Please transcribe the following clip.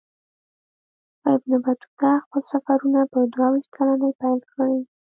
ابن بطوطه خپل سفرونه په دوه ویشت کلنۍ پیل کړي.